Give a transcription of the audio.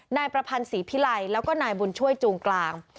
นายประพันธ์ศรีพิไลแล้วก็นายบุญช่วยจูงกลาง